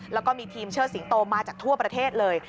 แล้วก็มีทีมเชิดสิงโตมาจากทั่วประเทศเลย